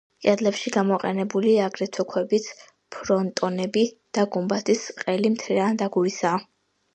კედლებში გამოყენებულია აგრეთვე ქვებიც; ფრონტონები და გუმბათის ყელი მთლიანად აგურისაა.